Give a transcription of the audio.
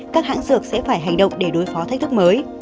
các hãng dược sẽ phải hành động để đối phó thách thức mới